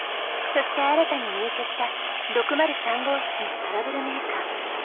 そして新たに入居した６０３号室のトラブルメーカー。